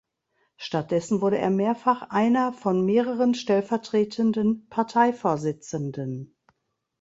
Stattdessen wurde er mehrfach einer von mehreren stellvertretenden Parteivorsitzenden.